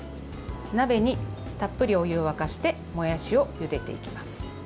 鍋にたっぷりお湯を沸かしてもやしをゆでていきます。